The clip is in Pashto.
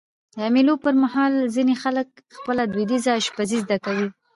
د مېلو پر مهال ځيني خلک خپله دودیزه اشپزي زده کوي.